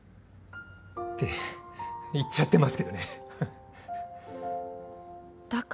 って言っちゃってますけどねははっ。